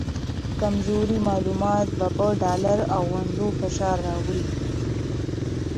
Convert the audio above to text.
کمزوري معلومات به په ډالر او ونډو فشار راوړي